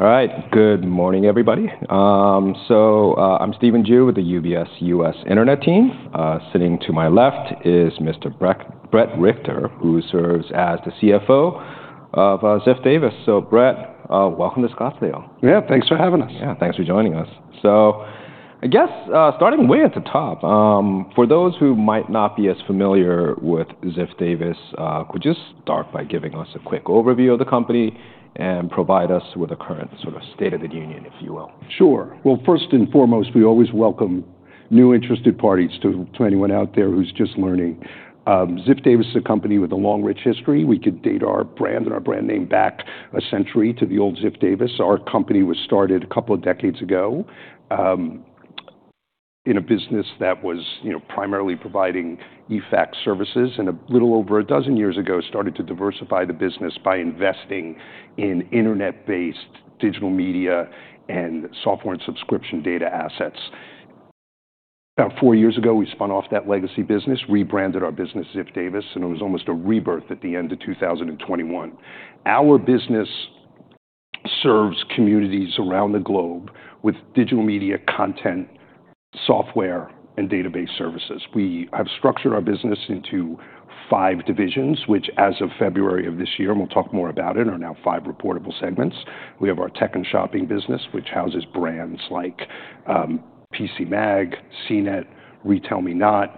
All right, good morning, everybody. So, I'm Stephen Ju with the UBS U.S. Internet Team. Sitting to my left is Mr. Bret Richter, who serves as the CFO of Ziff Davis. So, Bret, welcome to Scottsdale. Yeah, thanks for having us. Yeah, thanks for joining us. So, I guess, starting way at the top, for those who might not be as familiar with Ziff Davis, could you start by giving us a quick overview of the company and provide us with a current sort of state of the union, if you will? Sure. Well, first and foremost, we always welcome new interested parties to anyone out there who's just learning. Ziff Davis is a company with a long rich history. We could date our brand and our brand name back a century to the old Ziff Davis. Our company was started a couple of decades ago, in a business that was, you know, primarily providing eFax services. And a little over a dozen years ago, started to diversify the business by investing in internet-based digital media and software and subscription data assets. About four years ago, we spun off that legacy business, rebranded our business Ziff Davis, and it was almost a rebirth at the end of 2021. Our business serves communities around the globe with digital media content, software, and database services. We have structured our business into five divisions, which, as of February of this year, and we'll talk more about it, are now five reportable segments. We have our tech and shopping business, which houses brands like PCMag, CNET, RetailMeNot,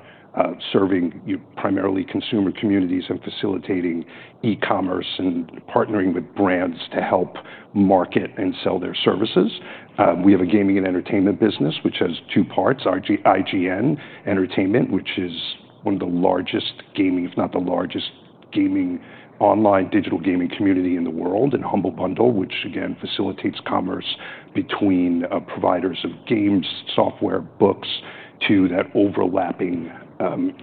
serving, you know, primarily consumer communities and facilitating e-commerce and partnering with brands to help market and sell their services. We have a gaming and entertainment business, which has two parts: IGN Entertainment, which is one of the largest gaming, if not the largest gaming online digital gaming community in the world, and Humble Bundle, which, again, facilitates commerce between providers of games, software, books, to that overlapping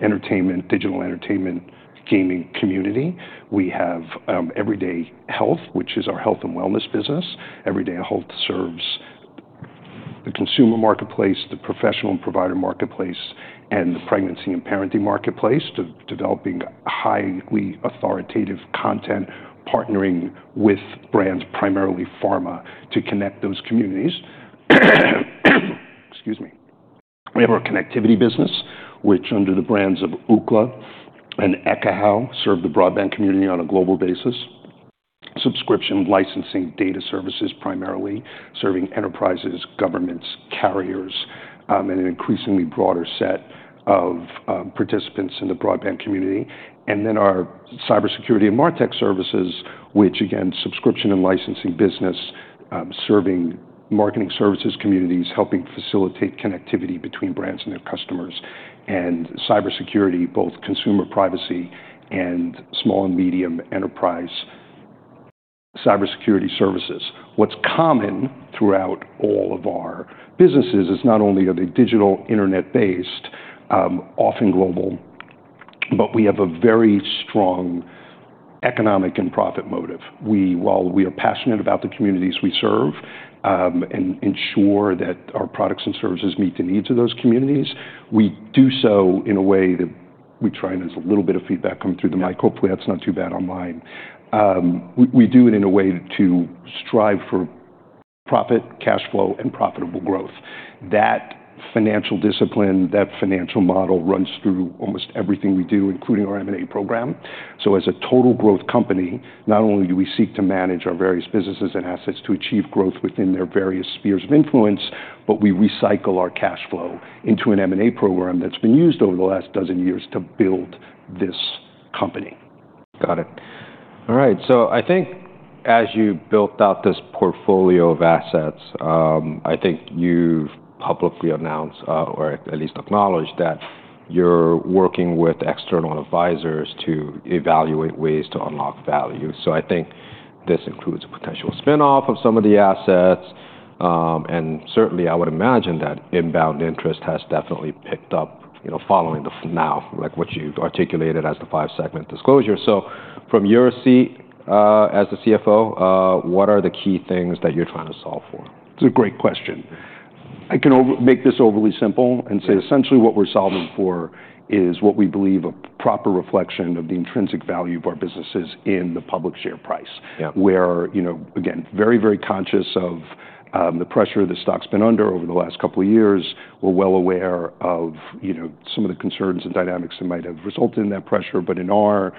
entertainment, digital entertainment gaming community. We have Everyday Health, which is our health and wellness business. Everyday Health serves the consumer marketplace, the professional and provider marketplace, and the pregnancy and parenting marketplace to developing highly authoritative content, partnering with brands, primarily pharma, to connect those communities. Excuse me. We have our connectivity business, which, under the brands of Ookla and Ekahau, serve the broadband community on a global basis. Subscription, licensing, data services, primarily serving enterprises, governments, carriers, and an increasingly broader set of participants in the broadband community. And then our cybersecurity and MarTech services, which, again, subscription and licensing business, serving marketing services communities, helping facilitate connectivity between brands and their customers. And cybersecurity, both consumer privacy and small and medium enterprise cybersecurity services. What's common throughout all of our businesses is not only are they digital, internet-based, often global, but we have a very strong economic and profit motive. We, while we are passionate about the communities we serve, and ensure that our products and services meet the needs of those communities, we do so in a way that we try, and there's a little bit of feedback coming through the mic. Hopefully, that's not too bad on mine. We do it in a way to strive for profit, cash flow, and profitable growth. That financial discipline, that financial model runs through almost everything we do, including our M&A program. So, as a total growth company, not only do we seek to manage our various businesses and assets to achieve growth within their various spheres of influence, but we recycle our cash flow into an M&A program that's been used over the last dozen years to build this company. Got it. All right. So, I think as you built out this portfolio of assets, I think you've publicly announced, or at least acknowledged that you're working with external advisors to evaluate ways to unlock value. So, I think this includes a potential spinoff of some of the assets, and certainly, I would imagine that inbound interest has definitely picked up, you know, following the now, like what you've articulated as the five-segment disclosure. So, from your seat, as the CFO, what are the key things that you're trying to solve for? It's a great question. I can make this overly simple and say essentially what we're solving for is what we believe a proper reflection of the intrinsic value of our businesses in the public share price. Yeah. We're, you know, again very, very conscious of the pressure the stock's been under over the last couple of years. We're well aware of, you know, some of the concerns and dynamics that might have resulted in that pressure, but in our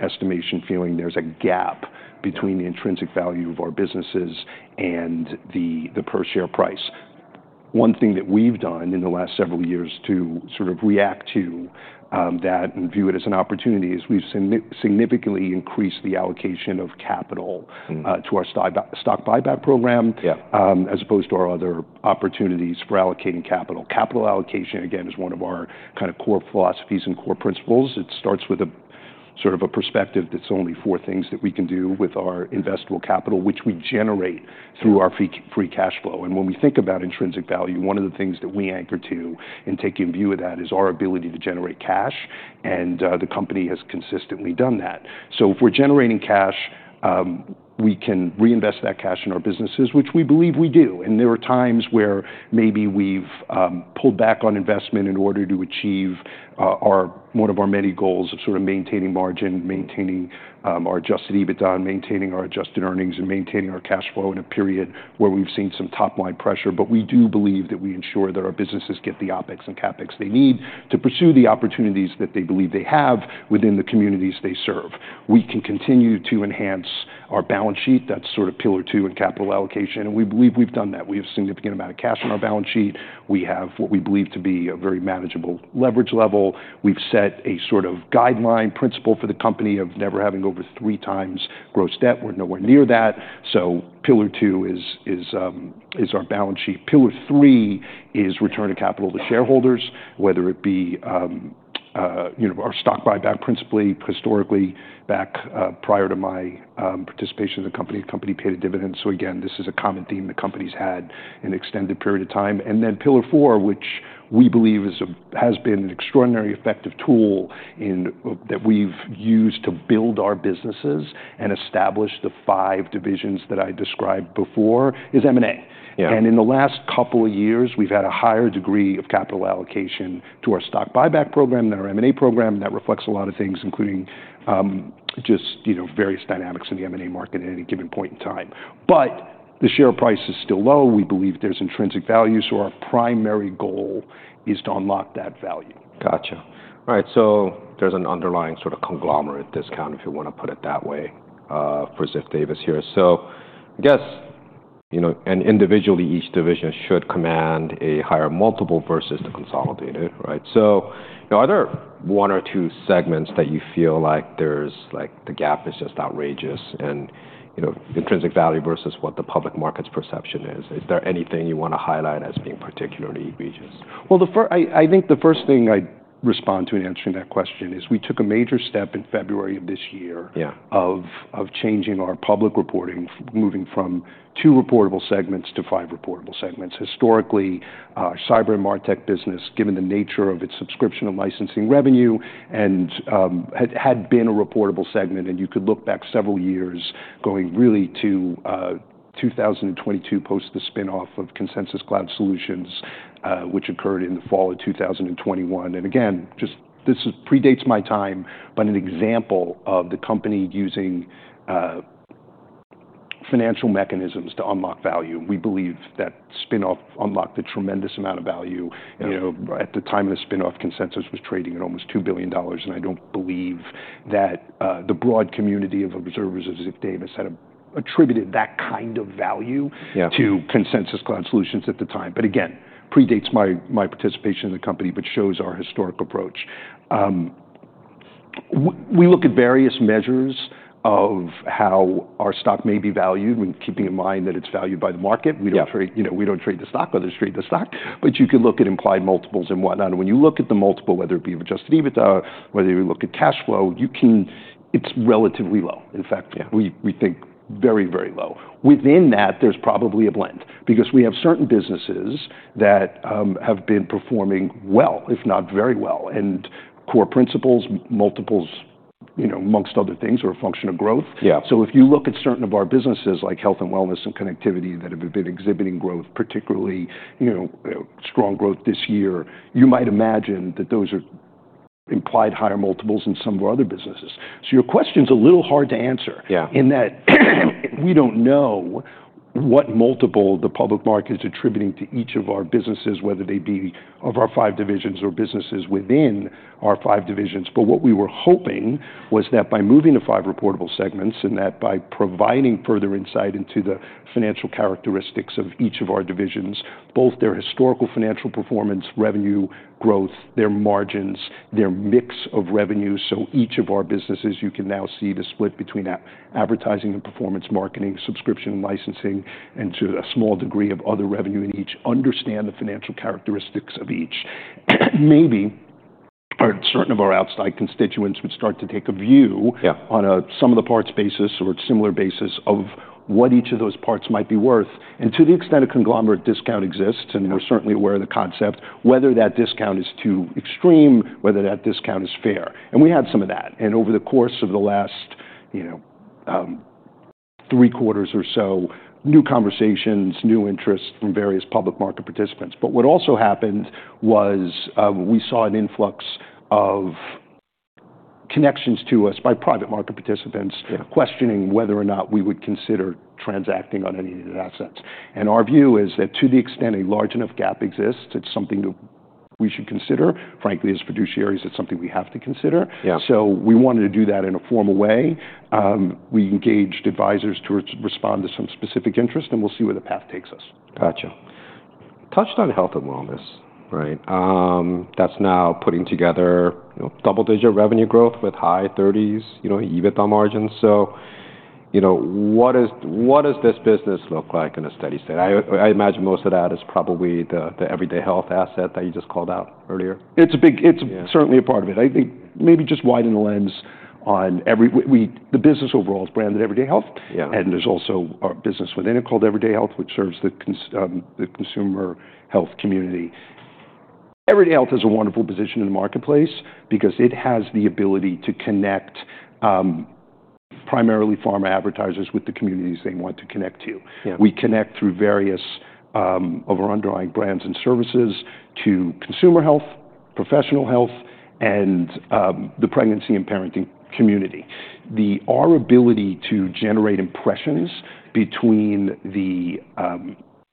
estimation, we feel there's a gap between the intrinsic value of our businesses and the per share price. One thing that we've done in the last several years to sort of react to that and view it as an opportunity is we've significantly increased the allocation of capital to our stock buyback program. Yeah. As opposed to our other opportunities for allocating capital. Capital allocation, again, is one of our kind of core philosophies and core principles. It starts with a sort of a perspective that's only four things that we can do with our investable capital, which we generate through our free cash flow. And when we think about intrinsic value, one of the things that we anchor to and take in view of that is our ability to generate cash. And, the company has consistently done that. So, if we're generating cash, we can reinvest that cash in our businesses, which we believe we do. There are times where maybe we've pulled back on investment in order to achieve one of our many goals of sort of maintaining margin, maintaining our adjusted EBITDA, maintaining our adjusted earnings, and maintaining our cash flow in a period where we've seen some top-line pressure. But we do believe that we ensure that our businesses get the OpEx and CapEx they need to pursue the opportunities that they believe they have within the communities they serve. We can continue to enhance our balance sheet. That's sort of pillar two in capital allocation. We believe we've done that. We have a significant amount of cash on our balance sheet. We have what we believe to be a very manageable leverage level. We've set a sort of guideline principle for the company of never having over three times gross debt. We're nowhere near that. Pillar two is our balance sheet. Pillar three is return to capital to shareholders, whether it be, you know, our stock buyback principally, historically back, prior to my participation in the company, the company paid a dividend. Again, this is a common theme the company's had an extended period of time. Pillar four, which we believe is a has been an extraordinary effective tool in that we've used to build our businesses and establish the five divisions that I described before, is M&A. Yeah. And in the last couple of years, we've had a higher degree of capital allocation to our stock buyback program than our M&A program. And that reflects a lot of things, including, just, you know, various dynamics in the M&A market at any given point in time. But the share price is still low. We believe there's intrinsic value. So, our primary goal is to unlock that value. Gotcha. All right. So, there's an underlying sort of conglomerate discount, if you want to put it that way, for Ziff Davis here. So, I guess, you know, and individually, each division should command a higher multiple versus the consolidated, right? So, you know, are there one or two segments that you feel like there's, like, the gap is just outrageous and, you know, intrinsic value versus what the public market's perception is? Is there anything you want to highlight as being particularly egregious? I think the first thing I respond to in answering that question is we took a major step in February of this year. Yeah. Of changing our public reporting, moving from two reportable segments to five reportable segments. Historically, our cyber and MarTech business, given the nature of its subscription and licensing revenue, had been a reportable segment. You could look back several years going really to 2022 post the spinoff of Consensus Cloud Solutions, which occurred in the fall of 2021. Again, just this predates my time, but an example of the company using financial mechanisms to unlock value. We believe that spinoff unlocked a tremendous amount of value. Yeah. You know, at the time of the spinoff, Consensus was trading at almost $2 billion. And I don't believe that, the broad community of observers of Ziff Davis had attributed that kind of value. Yeah. To Consensus Cloud Solutions at the time. But again, predates my participation in the company, but shows our historic approach. We look at various measures of how our stock may be valued, keeping in mind that it's valued by the market. Yeah. We don't trade, you know, we don't trade the stock, others trade the stock. But you can look at implied multiples and whatnot. And when you look at the multiple, whether it be of adjusted EBITDA, whether you look at cash flow, you can, it's relatively low. In fact. Yeah. We think very, very low. Within that, there's probably a blend because we have certain businesses that have been performing well, if not very well, and core principles, multiples, you know, among other things, are a function of growth. Yeah. So, if you look at certain of our businesses like health and wellness and connectivity that have been exhibiting growth, particularly, you know, strong growth this year, you might imagine that those are implied higher multiples in some of our other businesses. So, your question's a little hard to answer. Yeah. In that we don't know what multiple the public market's attributing to each of our businesses, whether they be of our five divisions or businesses within our five divisions. But what we were hoping was that by moving to five reportable segments and that by providing further insight into the financial characteristics of each of our divisions, both their historical financial performance, revenue, growth, their margins, their mix of revenue. So, each of our businesses, you can now see the split between advertising and performance marketing, subscription and licensing, and to a small degree of other revenue in each, understand the financial characteristics of each. Maybe certain of our outside constituents would start to take a view. Yeah. On a sum-of-the-parts basis or a similar basis of what each of those parts might be worth, and to the extent a conglomerate discount exists, and we're certainly aware of the concept, whether that discount is too extreme, whether that discount is fair, and we had some of that, and over the course of the last, you know, three quarters or so, new conversations, new interest from various public market participants, but what also happened was, we saw an influx of connections to us by private market participants. Yeah. Questioning whether or not we would consider transacting on any of the assets, and our view is that to the extent a large enough gap exists, it's something that we should consider. Frankly, as fiduciaries, it's something we have to consider. Yeah. So, we wanted to do that in a formal way. We engaged advisors to respond to some specific interest, and we'll see where the path takes us. Gotcha. Touched on health and wellness, right? That's now putting together, you know, double-digit revenue growth with high 30s, you know, EBITDA margins. So, you know, what does this business look like in a steady state? I imagine most of that is probably the Everyday Health asset that you just called out earlier. It's a big. It's certainly a part of it. I think maybe just widen the lens on Everyday, the business overall is branded Everyday Health. Yeah. There's also our business within it called Everyday Health, which serves the consumer health community. Everyday Health has a wonderful position in the marketplace because it has the ability to connect, primarily pharma advertisers with the communities they want to connect to. Yeah. We connect through various of our underlying brands and services to consumer health, professional health, and the pregnancy and parenting community. Our ability to generate impressions between the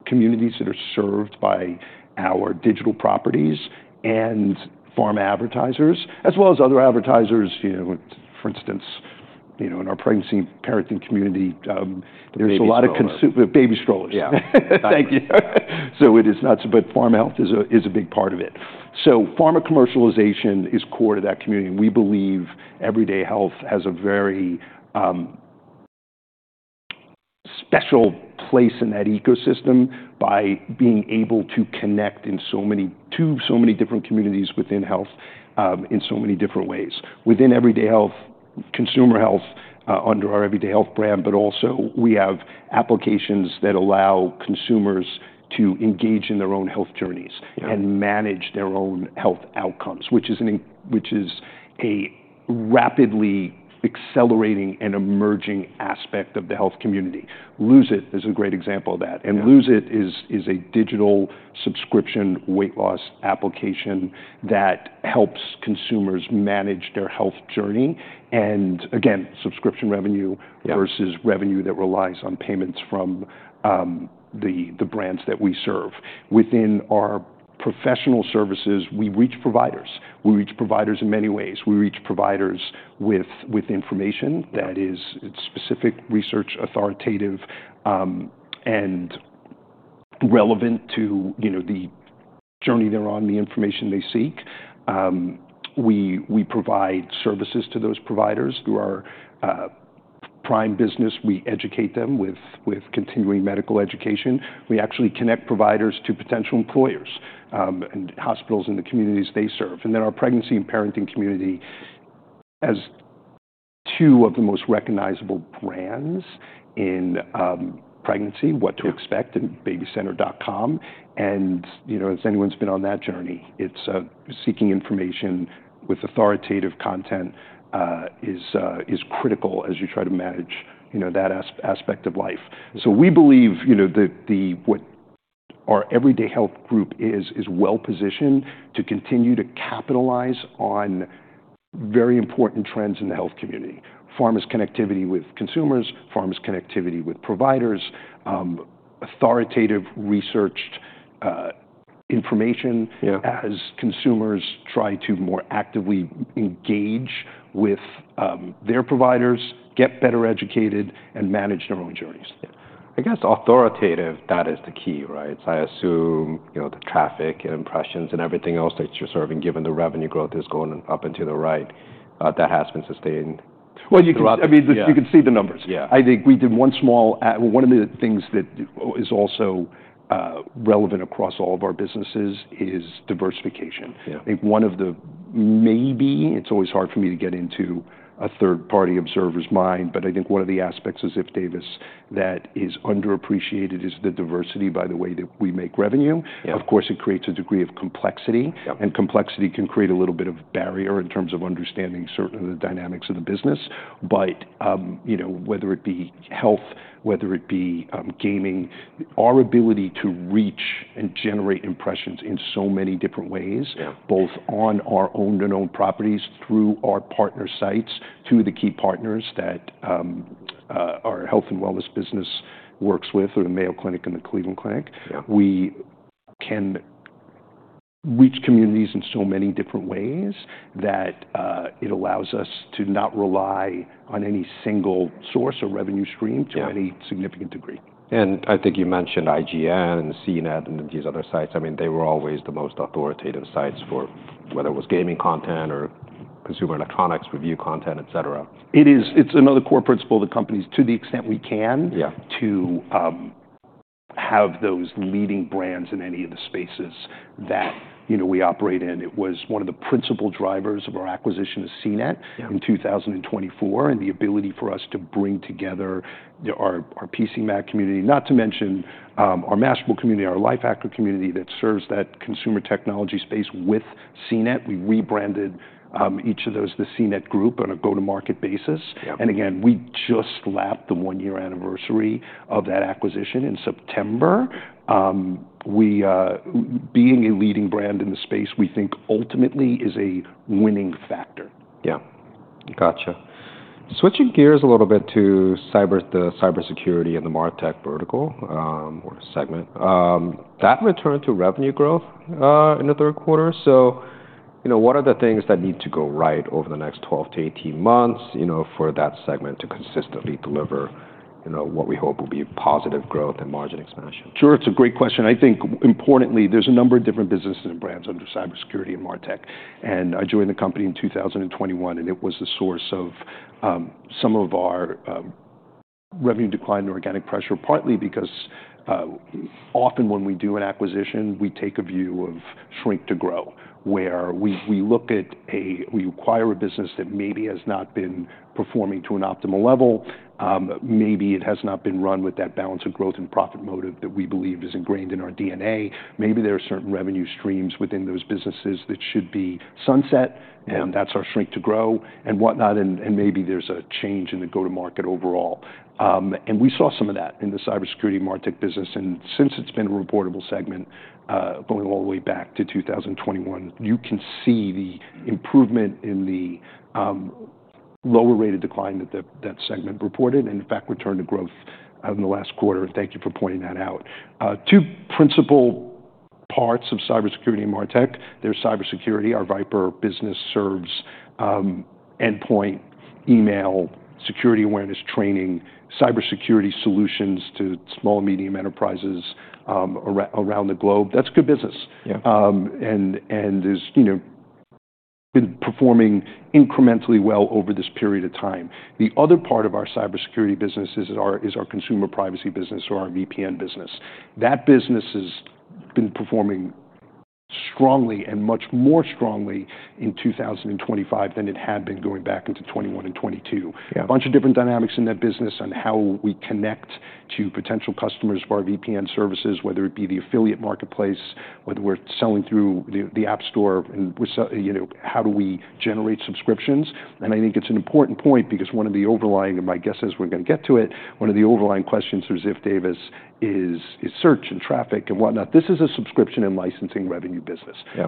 communities that are served by our digital properties and pharma advertisers, as well as other advertisers, you know, for instance, you know, in our pregnancy and parenting community, there's a lot of consumer baby strollers. Yeah. Thank you. It is not, but pharma health is a big part of it. Pharma commercialization is core to that community. We believe Everyday Health has a very special place in that ecosystem by being able to connect to so many different communities within health, in so many different ways. Within Everyday Health, consumer health, under our Everyday Health brand, but also we have applications that allow consumers to engage in their own health journeys. Yeah. And manage their own health outcomes, which is a rapidly accelerating and emerging aspect of the health community. Lose It is a great example of that. Yeah. Lose It is a digital subscription weight loss application that helps consumers manage their health journey. Again, subscription revenue. Yeah. Versus revenue that relies on payments from the brands that we serve. Within our professional services, we reach providers. We reach providers in many ways. We reach providers with information that is specific, research, authoritative, and relevant to you know the journey they're on, the information they seek. We provide services to those providers through our prime business. We educate them with continuing medical education. We actually connect providers to potential employers and hospitals in the communities they serve. And then our pregnancy and parenting community has two of the most recognizable brands in pregnancy, What to Expect and BabyCenter.com. And you know as anyone's been on that journey, it's seeking information with authoritative content is critical as you try to manage you know that aspect of life. So, we believe, you know, that the, what our Everyday Health Group is, is well positioned to continue to capitalize on very important trends in the health community. Pharma's connectivity with consumers, pharma's connectivity with providers, authoritative, researched information. Yeah. As consumers try to more actively engage with their providers, get better educated, and manage their own journeys. Yeah. I guess authoritative, that is the key, right? So, I assume, you know, the traffic and impressions and everything else that you're serving, given the revenue growth is going up and to the right, that has been sustained. You can, I mean, you can see the numbers. Yeah. I think we did. One of the things that is also relevant across all of our businesses is diversification. Yeah. I think one of the, maybe it's always hard for me to get into a third-party observer's mind, but I think one of the aspects of Ziff Davis that is underappreciated is the diversity by the way that we make revenue. Yeah. Of course, it creates a degree of complexity. Yeah. Complexity can create a little bit of barrier in terms of understanding certain of the dynamics of the business. You know, whether it be health, whether it be, gaming, our ability to reach and generate impressions in so many different ways. Yeah. Both on our owned properties, through our partner sites, through the key partners that our health and wellness business works with, or the Mayo Clinic and the Cleveland Clinic. Yeah. We can reach communities in so many different ways that it allows us to not rely on any single source or revenue stream. Yeah. To any significant degree. I think you mentioned IGN and CNET and these other sites. I mean, they were always the most authoritative sites for whether it was gaming content or consumer electronics, review content, et cetera. It is, it's another core principle of the companies, to the extent we can. Yeah. To have those leading brands in any of the spaces that, you know, we operate in. It was one of the principal drivers of our acquisition of CNET. Yeah. In 2024 and the ability for us to bring together our PCMag community, not to mention our Mashable community, our Lifehacker community that serves that consumer technology space with CNET. We rebranded each of those, the CNET group, on a go-to-market basis. Yeah. Again, we just slapped the one-year anniversary of that acquisition in September. We, being a leading brand in the space, we think ultimately is a winning factor. Yeah. Gotcha. Switching gears a little bit to cyber, the cybersecurity and the MarTech vertical, or segment, that returned to revenue growth in the third quarter. So, you know, what are the things that need to go right over the next 12 to 18 months, you know, for that segment to consistently deliver, you know, what we hope will be positive growth and margin expansion? Sure. It's a great question. I think importantly, there's a number of different businesses and brands under cybersecurity and MarTech, and I joined the company in 2021, and it was the source of some of our revenue decline and organic pressure, partly because often when we do an acquisition, we take a view of shrink to grow, where we look at, we acquire a business that maybe has not been performing to an optimal level. Maybe it has not been run with that balance of growth and profit motive that we believe is ingrained in our DNA. Maybe there are certain revenue streams within those businesses that should be sunset, and that's our shrink to grow and whatnot, and maybe there's a change in the go-to-market overall, and we saw some of that in the cybersecurity MarTech business. Since it's been a reportable segment, going all the way back to 2021, you can see the improvement in the lower rate of decline that the segment reported. In fact, returned to growth in the last quarter. Thank you for pointing that out. Two principal parts of cybersecurity and MarTech, there's cybersecurity. Our VIPRE business serves endpoint, email, security awareness training, cybersecurity solutions to small and medium enterprises around the globe. That's good business. Yeah. And is, you know, been performing incrementally well over this period of time. The other part of our cybersecurity business is our consumer privacy business or our VPN business. That business has been performing strongly and much more strongly in 2025 than it had been going back into 2021 and 2022. Yeah. A bunch of different dynamics in that business on how we connect to potential customers of our VPN services, whether it be the affiliate marketplace, whether we're selling through the App Store, and we're selling, you know, how do we generate subscriptions. I think it's an important point because, and my guess is we're gonna get to it, one of the overlying questions for Ziff Davis is search and traffic and whatnot. This is a subscription and licensing revenue business. Yeah.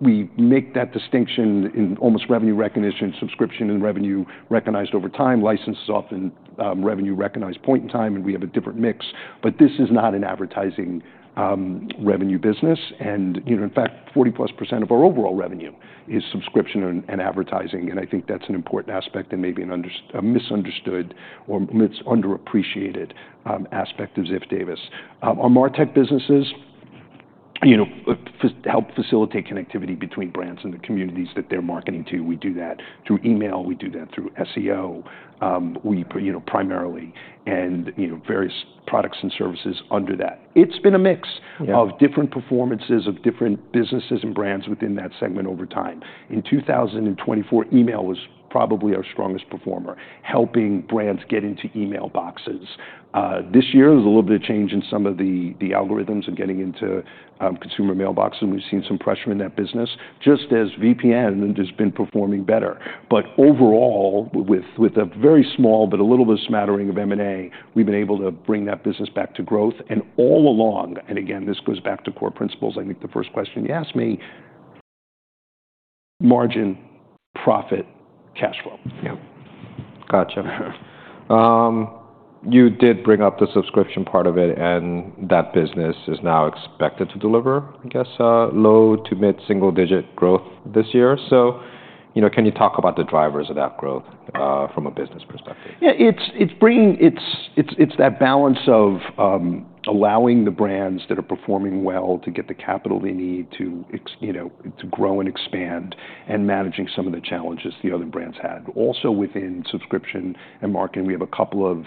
We make that distinction in almost revenue recognition, subscription and revenue recognized over time. License is often revenue recognized point in time, and we have a different mix. But this is not an advertising revenue business. And, you know, in fact, 40%+ of our overall revenue is subscription and advertising. And I think that's an important aspect and maybe an under misunderstood or misunderappreciated aspect of Ziff Davis. Our MarTech businesses, you know, help facilitate connectivity between brands and the communities that they're marketing to. We do that through email. We do that through SEO. You know, primarily, and, you know, various products and services under that. It's been a mix. Yeah. Of different performances of different businesses and brands within that segment over time. In 2024, email was probably our strongest performer, helping brands get into email boxes. This year, there's a little bit of change in some of the algorithms and getting into consumer mailboxes. And we've seen some pressure in that business, just as VPN has been performing better. But overall, with a very small but a little bit smattering of M&A, we've been able to bring that business back to growth. And all along, and again, this goes back to core principles. I think the first question you asked me, margin, profit, cash flow. Yeah. Gotcha. You did bring up the subscription part of it, and that business is now expected to deliver, I guess, low to mid-single-digit growth this year. So, you know, can you talk about the drivers of that growth, from a business perspective? Yeah. It's bringing that balance of allowing the brands that are performing well to get the capital they need to, you know, to grow and expand and managing some of the challenges the other brands had. Also within subscription and marketing, we have a couple of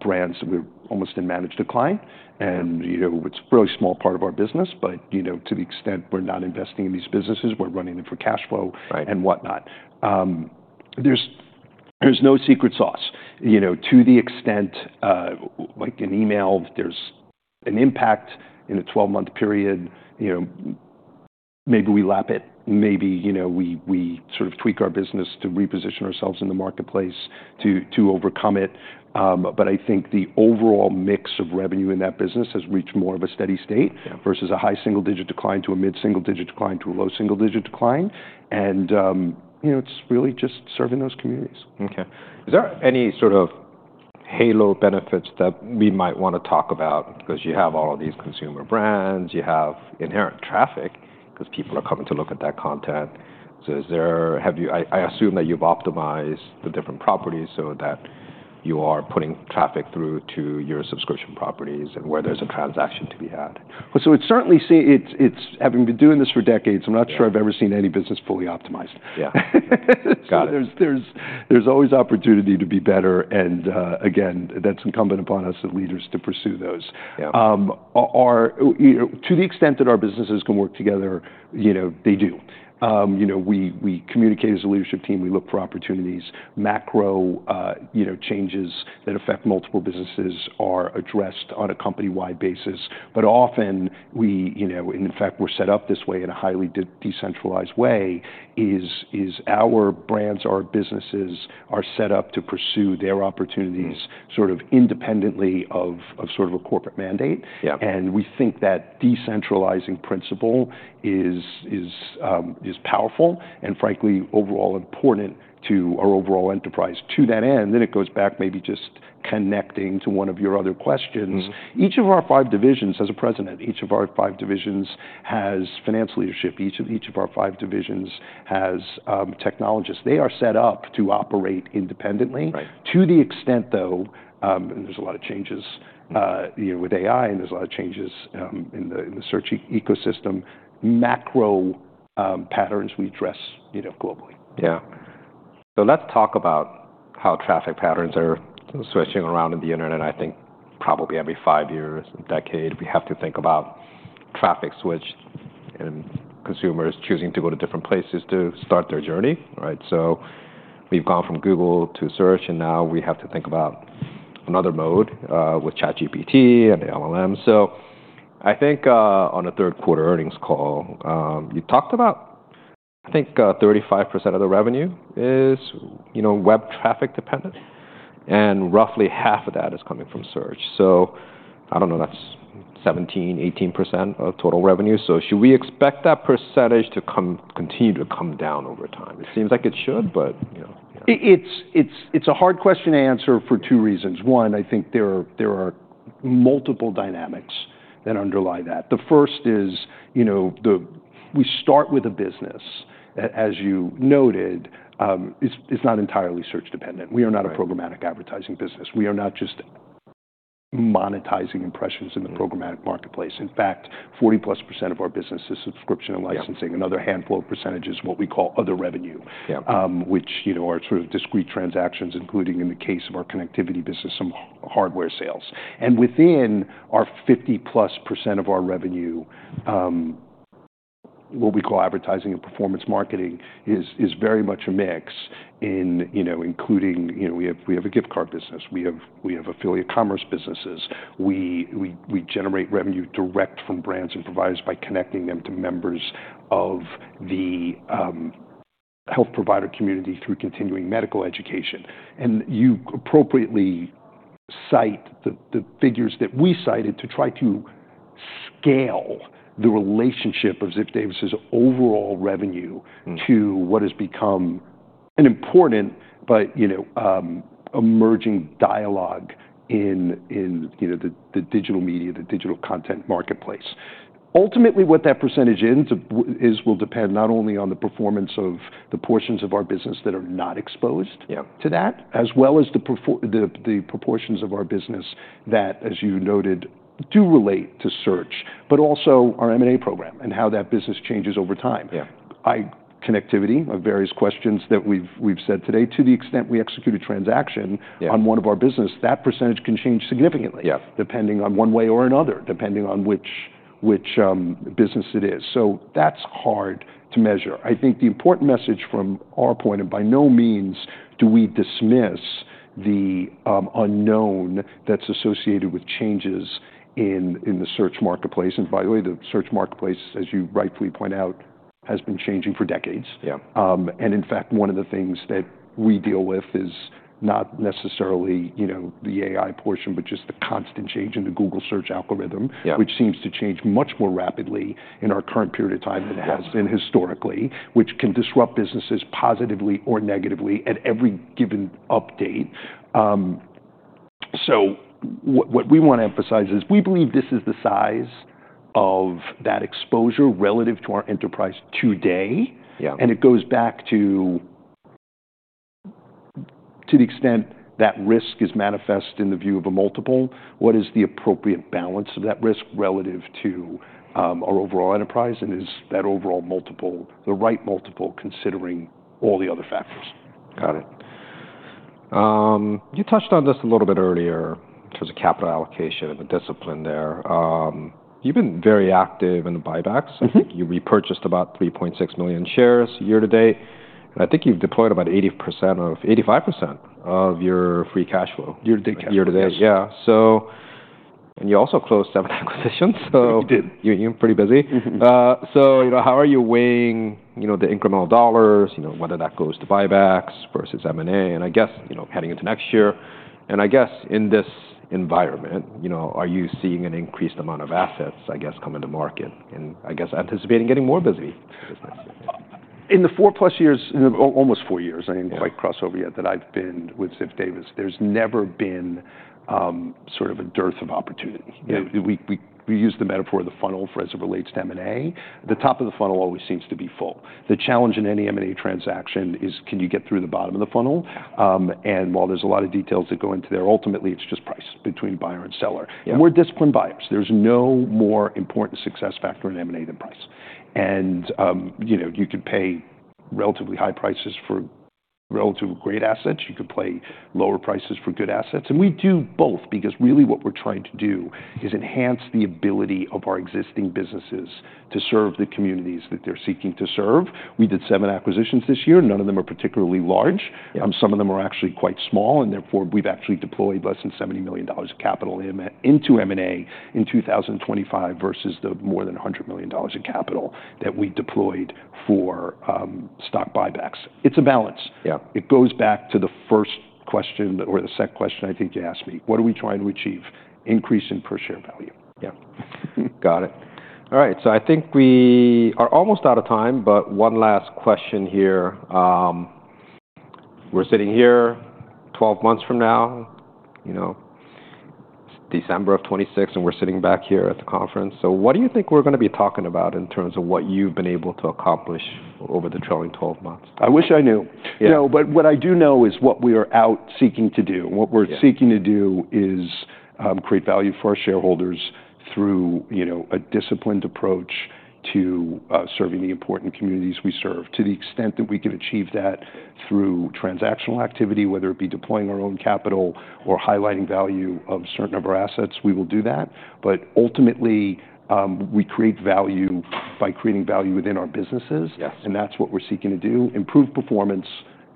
brands that we're almost in managed decline. And, you know, it's a really small part of our business, but, you know, to the extent we're not investing in these businesses, we're running them for cash flow. Right. And whatnot. There's no secret sauce, you know, to the extent, like an email, there's an impact in a 12-month period, you know, maybe we lap it, maybe, you know, we sort of tweak our business to reposition ourselves in the marketplace to overcome it. But I think the overall mix of revenue in that business has reached more of a steady state. Yeah. Versus a high single-digit decline to a mid-single-digit decline to a low single-digit decline, and, you know, it's really just serving those communities. Okay. Is there any sort of halo benefits that we might wanna talk about? Because you have all of these consumer brands, you have inherent traffic because people are coming to look at that content. So, have you, I assume that you've optimized the different properties so that you are putting traffic through to your subscription properties and where there's a transaction to be had. It's certainly having been doing this for decades. I'm not sure I've ever seen any business fully optimized. Yeah. Got it. There's always opportunity to be better. And, again, that's incumbent upon us as leaders to pursue those. Yeah. Our, you know, to the extent that our businesses can work together, you know, they do. You know, we communicate as a leadership team. We look for opportunities. Macro, you know, changes that affect multiple businesses are addressed on a company-wide basis. But often we, you know, and in fact, we're set up this way in a highly decentralized way. Our brands, our businesses are set up to pursue their opportunities sort of independently of sort of a corporate mandate. Yeah. We think that decentralizing principle is powerful and frankly overall important to our overall enterprise to that end. It goes back maybe just connecting to one of your other questions. Mm-hmm. Each of our five divisions has a president. Each of our five divisions has finance leadership. Each of our five divisions has technologists. They are set up to operate independently. Right. To the extent though, and there's a lot of changes, you know, with AI and there's a lot of changes in the search ecosystem, macro patterns we address, you know, globally. Yeah. So let's talk about how traffic patterns are switching around in the internet. I think probably every five years, decade, we have to think about traffic switch and consumers choosing to go to different places to start their journey, right? So we've gone from Google to search, and now we have to think about another mode, with ChatGPT and the LLM. So I think, on a third quarter earnings call, you talked about, I think, 35% of the revenue is, you know, web traffic dependent, and roughly half of that is coming from search. So I don't know, that's 17%-18% of total revenue. So should we expect that percentage to come, continue to come down over time? It seems like it should, but, you know. It's a hard question to answer for two reasons. One, I think there are multiple dynamics that underlie that. The first is, you know, we start with a business that, as you noted, is not entirely search dependent. We are not a programmatic advertising business. We are not just monetizing impressions in the programmatic marketplace. In fact, 40%+ of our business is subscription and licensing. Another handful of percentage is what we call other revenue. Yeah. which, you know, are sort of discrete transactions, including in the case of our connectivity business, some hardware sales. And within our 50%+ of our revenue, what we call advertising and performance marketing is very much a mix, you know, including, you know, we have a gift card business. We have affiliate commerce businesses. We generate revenue direct from brands and providers by connecting them to members of the health provider community through continuing medical education. And you appropriately cite the figures that we cited to try to scale the relationship of Ziff Davis's overall revenue. Mm-hmm. To what has become an important, but, you know, emerging dialogue in, you know, the digital media, the digital content marketplace. Ultimately, what that percentage ends up is will depend not only on the performance of the portions of our business that are not exposed. Yeah. To that, as well as the proportions of our business that, as you noted, do relate to search, but also our M&A program and how that business changes over time. Yeah. I. Connectivity of various questions that we've said today, to the extent we execute a transaction. Yeah. On one of our businesses, that percentage can change significantly. Yeah. Depending on one way or another, depending on which business it is. So that's hard to measure. I think the important message from our point, and by no means do we dismiss the unknown that's associated with changes in the search marketplace. And by the way, the search marketplace, as you rightfully point out, has been changing for decades. Yeah. And in fact, one of the things that we deal with is not necessarily, you know, the AI portion, but just the constant change in the Google search algorithm. Yeah. Which seems to change much more rapidly in our current period of time than it has been historically, which can disrupt businesses positively or negatively at every given update. So what we wanna emphasize is we believe this is the size of that exposure relative to our enterprise today. Yeah. And it goes back to the extent that risk is manifest in the view of a multiple, what is the appropriate balance of that risk relative to, our overall enterprise? And is that overall multiple, the right multiple, considering all the other factors? Got it. You touched on this a little bit earlier in terms of capital allocation and the discipline there. You've been very active in the buybacks. Mm-hmm. I think you repurchased about 3.6 million shares year to date, and I think you've deployed about 80% of 85% of your free cash flow. Year to date. Year to date. Yeah. So, and you also closed seven acquisitions, so. We did. You, you're pretty busy. Mm-hmm. So, you know, how are you weighing, you know, the incremental dollars, you know, whether that goes to buybacks versus M&A? And I guess, you know, heading into next year, and I guess in this environment, you know, are you seeing an increased amount of assets, I guess, come into market and I guess anticipating getting more busy business? In the four plus years, you know, almost four years I didn't quite cross over yet that I've been with Ziff Davis, there's never been sort of a dearth of opportunity. Yeah. We use the metaphor of the funnel for as it relates to M&A. The top of the funnel always seems to be full. The challenge in any M&A transaction is, can you get through the bottom of the funnel? and while there's a lot of details that go into there, ultimately it's just price between buyer and seller. Yeah. And we're disciplined buyers. There's no more important success factor in M&A than price. And, you know, you could pay relatively high prices for relatively great assets. You could pay lower prices for good assets. And we do both because really what we're trying to do is enhance the ability of our existing businesses to serve the communities that they're seeking to serve. We did seven acquisitions this year. None of them are particularly large. Yeah. Some of them are actually quite small, and therefore we've actually deployed less than $70 million of capital into M&A in 2025 versus the more than $100 million of capital that we deployed for stock buybacks. It's a balance. Yeah. It goes back to the first question or the second question I think you asked me. What are we trying to achieve? Increase in per share value. Yeah. Got it. All right. So I think we are almost out of time, but one last question here. We're sitting here 12 months from now, you know, December of 2026, and we're sitting back here at the conference. So what do you think we're gonna be talking about in terms of what you've been able to accomplish over the trailing 12 months? I wish I knew. Yeah. No, but what I do know is what we are out seeking to do. What we're seeking to do is, create value for our shareholders through, you know, a disciplined approach to, serving the important communities we serve. To the extent that we can achieve that through transactional activity, whether it be deploying our own capital or highlighting value of a certain number of assets, we will do that. But ultimately, we create value by creating value within our businesses. Yes. That's what we're seeking to do. Improve performance,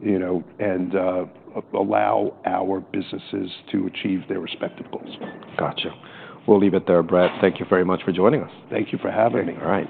you know, and allow our businesses to achieve their respective goals. Gotcha. We'll leave it there, Bret. Thank you very much for joining us. Thank you for having me. All right.